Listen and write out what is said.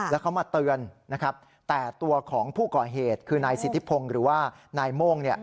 แล้วเขามาเตือนนะครับแต่ตัวของผู้ก่อเหตุคือนายสิทธิพงศ์หรือว่านายโม่ง